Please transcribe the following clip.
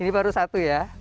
ini baru satu ya